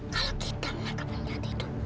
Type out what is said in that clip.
kalau kita menangkap penjahat itu